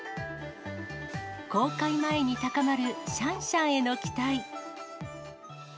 公開前に高まるシャンシャンへの期待。